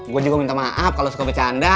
gue juga minta maaf kalau suka bercanda